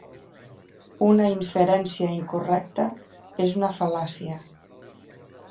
Una inferència incorrecta és una fal·làcia.